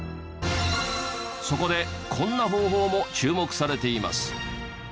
そこでこんな方法も注目されています。